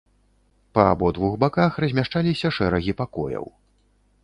Па абодвух баках размяшчаліся шэрагі пакояў.